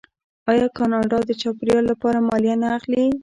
آیا کاناډا د چاپیریال لپاره مالیه نه اخلي؟